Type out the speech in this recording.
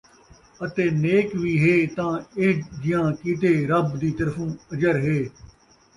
اَتے نیک وِی ہے تاں اِہجیاں کِیتے رَبّ دِی طرفوں اَجر ہے،